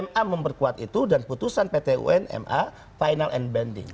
ma memperkuat itu dan putusan pt un ma final and bending